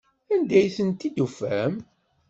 Anda ay ten-id-tufam?